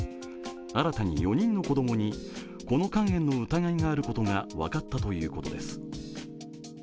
新たに４人の子供にこの肝炎の疑いがあることが分かったということです。